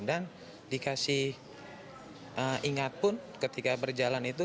dan dikasih ingat pun ketika berjalan itu